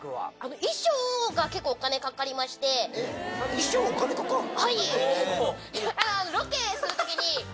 衣装お金かかんの？